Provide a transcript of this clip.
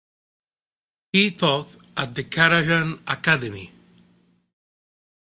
He taught at the Karajan Academy.